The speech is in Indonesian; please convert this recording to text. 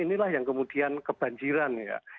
inilah yang kemudian kebanjiran ya